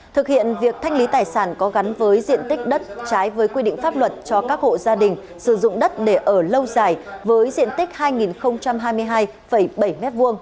thực hiện việc thanh lý tài sản có gắn với diện tích đất trái với quy định pháp luật cho các hộ gia đình sử dụng đất để ở lâu dài với diện tích hai hai mươi hai bảy m hai